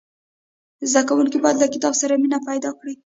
زدهکوونکي باید له کتاب سره مینه پیدا کړي.